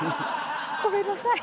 ごめんなさい。